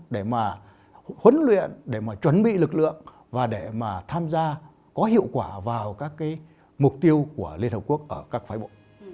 để mà huấn luyện để mà chuẩn bị lực lượng và để mà tham gia có hiệu quả vào các cái mục tiêu của liên hợp quốc ở các phái bộ